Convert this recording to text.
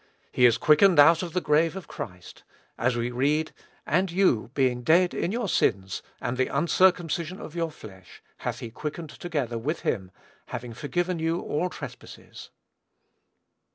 He is quickened out of the grave of Christ; as we read, "and you, being dead in your sins, and the uncircumcision of your flesh, hath he quickened together with him, having forgiven you all trespasses."